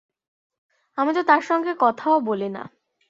আমি তো তাঁর সঙ্গে কথাও বলি না!